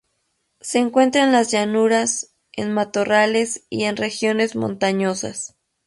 Se encuentra en las llanuras, en matorrales y en regiones montañosas.